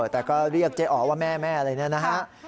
แต่ก็เรียกเจ๊อ๋อว่าแม่แม่อะไรเนี่ยนะฮะ